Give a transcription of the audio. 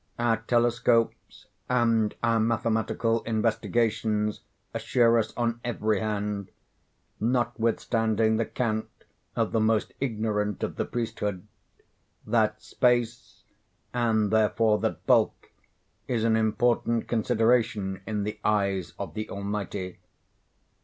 Our telescopes and our mathematical investigations assure us on every hand—notwithstanding the cant of the more ignorant of the priesthood—that space, and therefore that bulk, is an important consideration in the eyes of the Almighty.